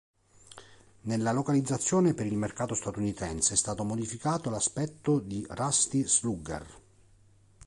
Nella localizzazione per il mercato statunitense è stato modificato l'aspetto di Rusty Slugger.